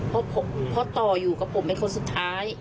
เพราะพ่อต่ออยู่กับผมเป็นคนสุดท้าย